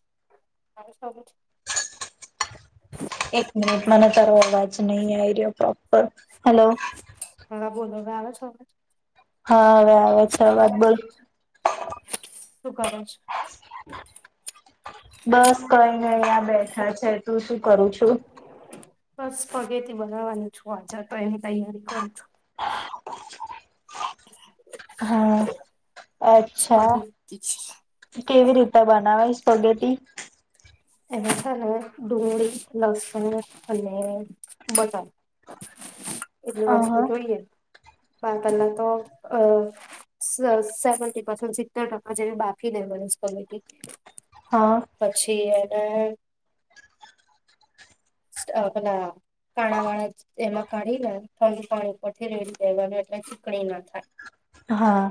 [inaudible] એક મિનિટ મને તારો અવાજ નહી આવી રહ્યો પ્ર હલો હા બોલો અવે આવે છે અવાજ હા અવે આવે છે વાત બોલ શું કરો છો બસ કઈ નય આ બેઠા છે તું શુ કરું છું. બસ પગેથી બનાવવાનું છું આ જે તો એની તૈયારી કરું છું. [inaudible] હા અચ્છા સ્પગેટી કેવી રીતે બનાવાય પગેટી એમાં છે ને ડુંગળી લસણ અને બટાકા એટલી વસ્તુ અહ જોઈએ. પા પહેલા તો અ સર સેવનટી પસેન્ટ સિત્તેર ટકા જે બાકી દેવાની સ્પગેટી હા પછી એમ એ અ પેલા કાણાવાણા એમાં કાઢીને ઠંડુ પાણી ઉપરથી રેડી દેવાનું એટલે ચીકણી ના થાય હા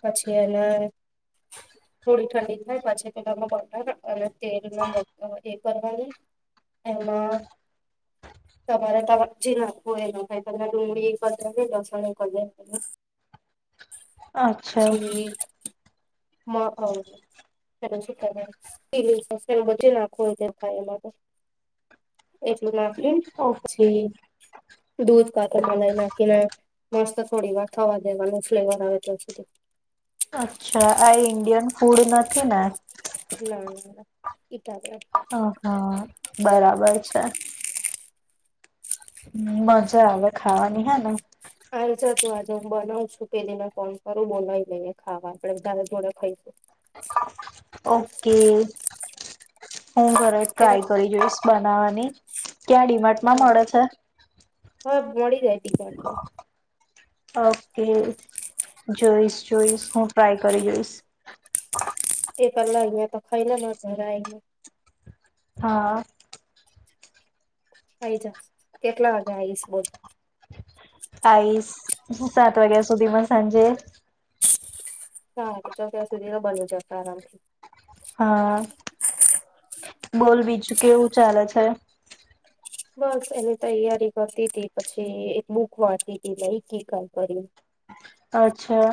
પછી એને થોડી ઠંડી થાય પછી પેલામાં બટાર અને તેલમાં વગાર એ કરવાની એમાં તમારે જી નાખવુ હોય એ નાખાય જેમાં ડુંગળી [unintelligible] અચ્છા પછી નાખો હોય થાય એમાં. એટલું ના. ઓકે. દૂધ કાતા મ લઈ નાખીને મસ્ત થોડી વાર થવા દેવાનું ફ્લેવર આવે ત્યાં સુધી. અચ્છા આ ઇન્ડિયન ફૂડ નથી ને ના ના એટાર. હ હા બરાબર છે. હ મજા આવે ખાવાની હેને. હ જ તું આજે હું બનાવ છું પેલી ને ફોન કરું બોલા લઈને ખાવા આપડે જારે જોડે ખાઈશું. ઓકે. હું ઘરે ત્યારે ટ્રાય કરી જોઈશ બનાવવાની. ક્યાં ડીમાટ માં હા મળે છે. હા મળી જાય. [inaudible] ઓકે જોઈશ જોઈસ હું ટ્રાય કરી જોઈશ. એ પલા અયાંતો ખાય લે માર ઘર આયને હા. થાઈ જ કેટલા વાગે આવીશ બોલ આઈશ સાત વાગ્યા સુધીમાં સાંજે સારું જો ત્યાં સુધી તો બની જશે આરામથી. હા બોલ બીજું કેવું ચાલે છે. બસ એને તૈયારી કરતી તી પછી એક બૂક વાચી તી લઈ કી કરી. અચ્છા.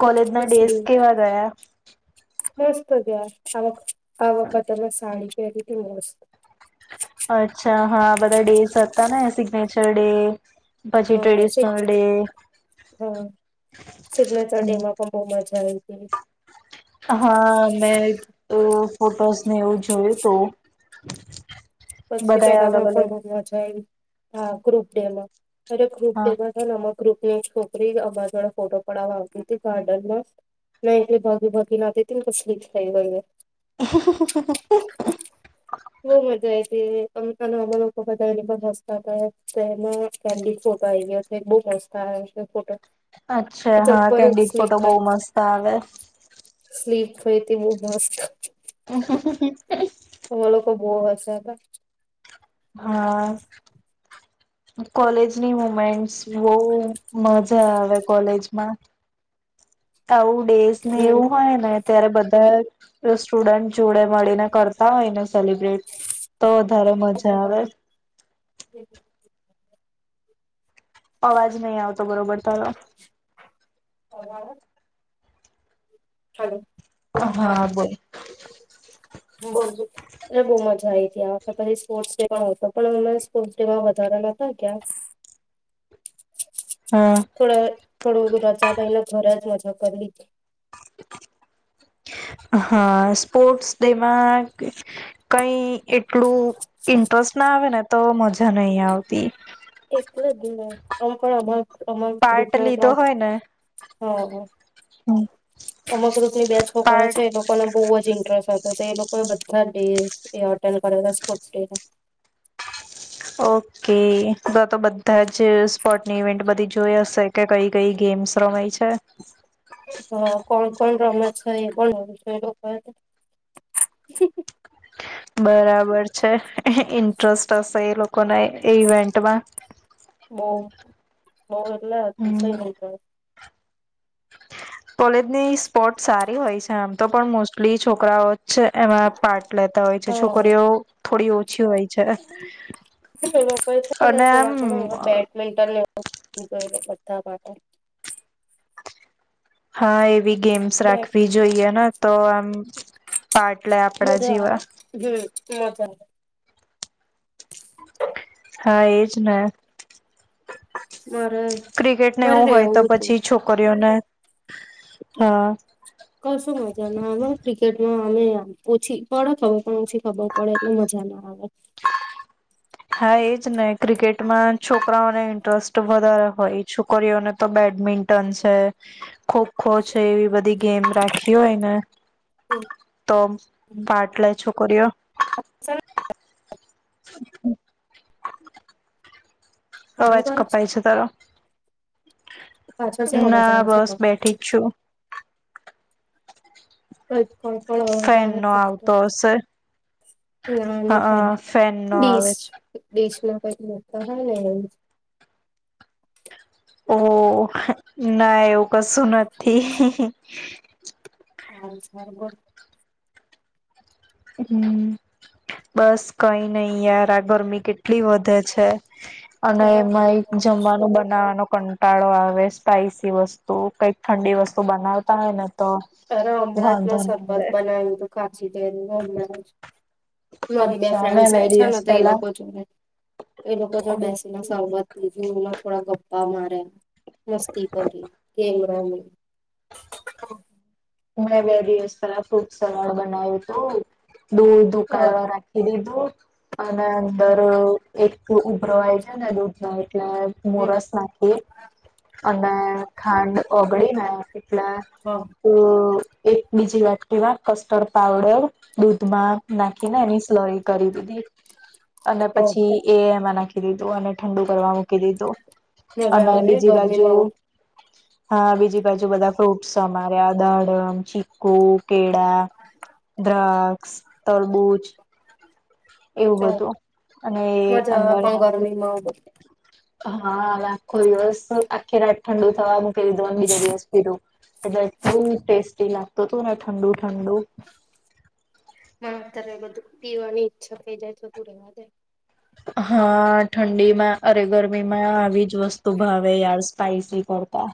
કોલેજના ડેઝ કેવા ગયા મસ્ત ગયા આ આ વખતેમાં સાડી પહેરી હતી મસ્ત. અચ્છા હા બધા ડેઝ હતા ને સિગ્નેચર ડે. હ પછી સગ ટ્રેડિશનલ ડે હ સિગ્નેચર ડેમાં પણ બહુ મજા. થ છે. હા મે ફોટોઝ. ને એવું જોયું તો. પછી ગામાં પણ બહુ મજા આવી. હા ગ્રુપ ડેમાં. અરે ગ્રુપ હા ડે [unintelligible] નમક. ગ્રુપ ની છોકરી અમારા આગળ ફોટો પડાવવાતી હતી ગાર્ડન માં ને ભાગી ભાગી ના હતી ને કશલીક થઈ ગઈ. [inaudible] બો મજા આવી હતી અને અમે લોકો બધાતા હસતા [unintelligible] અચ્છા હા જબરજસ્ત કેન્ડિટ સ્લીપ ફોટો બો થઈ મસ્ત આવે. સ્લીપ થઈ હતી બહુ મસ્ત. [inaudible] તો લોકો બહ હશે. હા કોલેજની મુમેન્ટ્સ. બહ મજા આવે કોલેજમાં. કઉ ડેઝ ને એવું હતા હોય ને ત્યારે બધા સ્ટુડન્ટ જોડે મળીને કરતા હોય ને સેલિબ્રેટ, તો વધારે મજા આવે. [inaudible] અવાજ નહી આવતો બરોબર તારો. હલો. હા બોલ. ત્યાં પછ સ્પોર્ટ્સ ડે પણ હોતો પણ અમે સ્પોર્ટ્સ ડે માં વધારા નતા ગયા હમ થોડ થોડું રજા કઈ ના ઘર જ કરી લીધ હા સ્પોર્ટ્સ ડેમાં કઈ એટલું ઇન્ટરેસ્ટ ના આવે ને તો મજા નહી આવતી. એટલે જ ને [unintelligible] અમક ગ્રુપ ના, હ પાર્ટ લીધો હોય ને અમક ગ્રુપ ના બે છોકરા પાર્ટ છે એ લોકોને બહુ જ ઇન્ટરેસ્ટ હતો. તો એ લોકો બધા ટે [unintelligible] સ્પોર્ટ ડે ના ઓકે તો તો બ બધાજ સ્પોર્ટ ની વેન્ટ બધી જોઈ હશે કે કઈ કઈ ગેમ્સ રમાય છે. હા કોણ? કોણ કોણ રામે છે [unintelligible] બરાબર છે ઇન્ટરેસ્ટ હશે એ લોકો કોના એ ઇવેન્ટમાં. મોરલા હમ [unintelligible] કોલેજની સ્પોટ સારી હોય છે આમ તો પણ મોસ્ટલી છોકરાઓ એમાં પાર્ટ લેતા હોય છે હા છોકરીઓ થોડીઓ એ લોકોઈ છે અને આમ થોડા ઘણ એ બેડમિન્ટનને જો બધા માટે. હા એવી ગેમ્સ રાખવી જોઈ એ તો આમ પાટ લે આપણા મજા જીવા આવે હમ મજા [inaudible] હા એજ ના. મારે ક્રિકેટને મારે એવું હોય તો રહેવું હતું પછી છોકરીઓને હા. કશું મજા ના આવે ક્રિકેટમાં અમે ઓછી પડે ખબર પણ ઓછી ખબર પડે એટલે મજા ના આવે. હા એજ ને ક્રિકેટમાં છોક છોકરાઓને ઇન્ટરેસ્ટ વધારે. હો છોકરીઓને તો બેડમિન્ટન છે, ખોખો છે એવી બધી ગેમ રાખી હોયને તો પાટલે છો કરયો. [inaudible] કામ અવાજ કરો કપાય છે તારો. પાછળ છે અવાજ ના આવે છે બસ બેઠી જ છું. અ ફેન નો આવતો હશે. ના હા ના ફેન નો આવે ડીશ છે. [inaudible] ઓ ના એવું કશું નથી. [inaudible] હમ્મ બસ કઈ નઈ યાર આ ગરમી કેટલી વધે છે. અને અરે બહુ એમાં એક જ જમવાનું બનાવાનો કંટાળો આવે સ્પાઈસી વસ્તુ કઈક ઠંડી વસ્તુ બનાવતા હોય ને તો અરે હમણાં જ વાંધો ના આવે સરબત બનાવ્યું તું ખા [inaudible] મારી બે અચ્છા ફ્રેન્ડસ મેં બે થાય છે દિવસ ને તે પહેલા લોકો જોડે એ લોકો જોડ બેસીને [inaudible] થોડા ગપ્પા માાર્યા. મસ્તી કરી કે હમ. [inaudible] મેં બે દિવસ પેલા ફ્રૂટ સલાડ બનાવ્યું તું. દૂધ અહ ઉકાળવા રાખી દીધું. અને અંદર હમ્મ એક તો ઉભરો આઈ ગયો એ દૂધનો [inaudible] હમ્મ મોરસ નાખી અને ખાંડ ઓગળી ને લા હા [inaudible] એક બીજી વાત કેવા. કસ્ટર્ડ પાવડર દૂધમાં નાખીને એની સ્લોઈ કરી દીધી અને ઓહ પછી એ એમાં નાખી. મૂકી દીધું અને ઠંડુ કરવા મૂકી દીધું. મજા અને આવે ને બીજી બાજુ ગરમીમાં આવું હા બીજી બાજુ બધા. ફ્રૂટ્સ અમારે આદાડમ ચીકુ. કેડા દ્રક. તરબૂજ. એવું ઓહ બધું અને મજા આવે અંદર પણ ગરમીમાં આવું બધું નાખિયું હા આખો દિવસ આખી રાત ઠંડુ થવાનું. કરી દીધો બીજા દિવસ પીધું એટલે એટલું ટેસ્ટી ના. તો તું ને ઠંડુ ઠંડુ. અત્યારે બધું પીવાની ઈચ્છા થઈ જાય તો તું રે વા દે. હા ઠંડીમાં અરે ગરમીમાં આવી જ વસ્તુ ભાવે યાર સ્પાઈસી કરતા.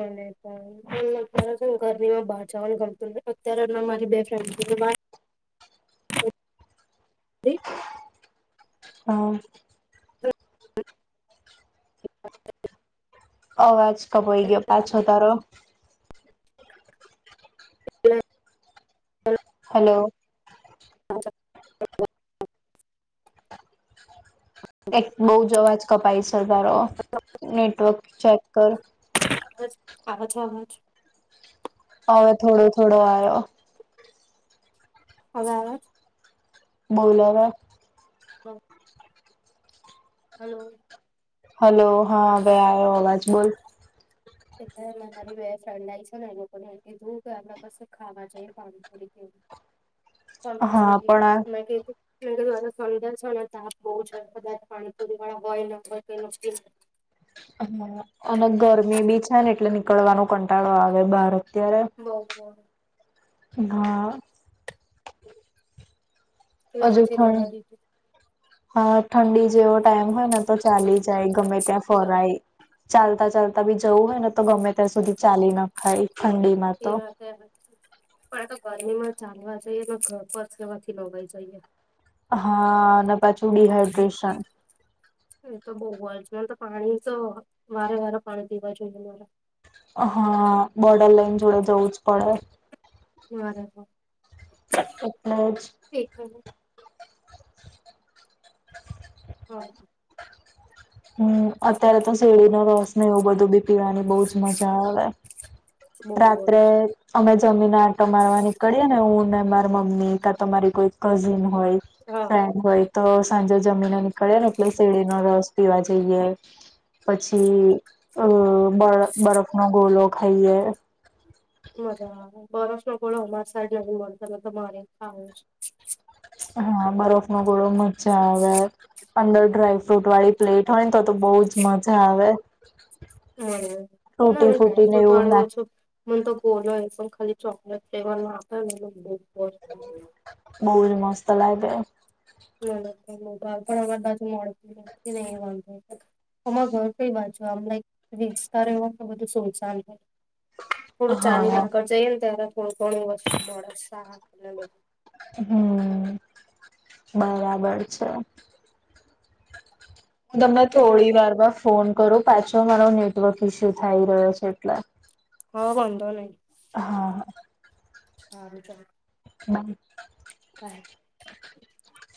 મને પણ અત્યારે ઘરમાં બહાર જવાનું ગમતું નથી અતિયારે મારી બેન ફ્રેન્ડ નીકળી હા [inaudible] અવાજ. કપાઈ ગયો પાછો તરો [inaudible] હલો. [inaudible] એક બહ જ અવાજ કપાય છે તારો નેટવર્ક ચેક કર. અજ આવાજ અવાજ. હ. થોડો થોડો આવ્યો. હવે આવે બોલાવા. નવ. હલો. હલો હા હવે આવ્યો અવાજ બોલ. એટલે મારી બે ફ્રેન્ડ આ આવી છે ને એ લોકોને એ કીધું કે આપણે કસે ખાવા જઈએ પાણીપુરી કે. તો હા પાછી પણ આ મેં કીધું [unintelligible] ને તાપ બહ છે કદાચ પાણીપુરી વાળા હોયર કઈ નકકી હ અને ગરમી બી છે ને એટલે નીકળવાનો કંટાળો આવે બહાર. બહ. ઘા. એટલે હજુ પછી ઠંડ રેવા દીધું હા ઠંડી. જેવો ટાઈમ હોય ને. તો ચાલી જાય ગમે ત્યાં હમ્મ ફરાય. ચાલતા ચાલતા બી જવું હોય ને તો ગમે ત્યાં સુધી ચાલી નાખાય. એ [unintelligible] ગરમી માં ચાલવા જઈએ ઘ પરસેવાથી નવાય જાઇયે હા અને પાછું ડીહાઈડ્રેશન. એ તો બઉ ઓર્જનલ તો પાણી તો વારે વારે પાણી પીવા જોઈએ મારે. હા બોટલ લઈને જોડે જાઉં બરાબર. બધા એજ એક મિનિટ હા. હમ્મ અત્યારે તો શેડીનો રસ ને એવું બધું બી પીવાની બહુ જ મજા આવે. બહુ રાત્રે જ અમે જમીને આટ મારવા નીકળી ને હું ને માર મમ્મી કા તમારી કોઈ કઝિન હોય હા ફ્રેન્ડ હોય. તો સાંજે જમીન નીકળીએ ને એટલે સેડીનો રસ પીવા જઈએ પછી અ બ બરફનો ગોલો ખાઈએ મજા આવે બરફ નો ગોળો અમાર સાઈડ નથી મળતો નહતો મારે ખાવું છ હા બરફ નો ગોળો મજા આવે અંદર ડ્રાયફ્રુટ વાળી પ્લેટ હોય ને તો તો બહુજ મજા આવે. હમ્મ ના તૂટી મને ફૂટીને ડ્રાયફ્રુટ એવું વાળું નાખ ઓ છું મન તો ગોળો એ પણ ખાલી ચોકલેટ ફ્લેવર ના આવે [unintelligible] બહુ જ મસ્ત [unintelligible] [unintelligible] પણ અમારી બાજુ મોડુ વાંધ અમારો ઘર કઈ બાજુ આમ વિસ્તાર એવો બધું સુનસાન હ થોડું ચાલી ને હા આગળ જઈએ ને ત્યારે કોણ કોણ વસ્તુ મળે શાક હમ્મ બરાબર છે. તમને એટલે થોડી વાર મા ફોન કરો પાછો મારો નેટવર્ક ઈસુ થઈ રહ્યો છે એટલે હા વાંધો નહી હા. સારું ચાલું. [inaudible] [inaudible]